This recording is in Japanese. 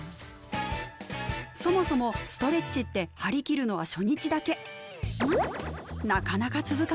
そもそもストレッチって張り切るのは初日だけ。